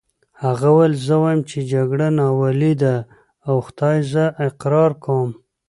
هغه وویل: زه وایم چې جګړه ناولې ده، اوه خدایه زه اقرار کوم.